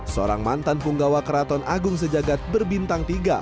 seorang mantan punggawa keraton agung sejagat berbintang tiga